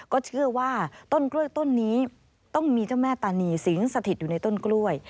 ก็เชื่อว่าต้นกล้วยต้นนี้ต้องมีเจ้าแม่ตานีสิงสถิตอยู่ในต้นกล้วย